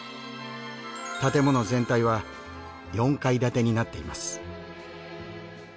建物全体は４階建てになっています。